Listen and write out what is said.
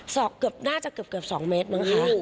สอกน่าจะเกือบ๒เมตรมั้งค่ะ